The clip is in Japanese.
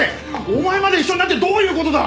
お前まで一緒になってどういう事だ！？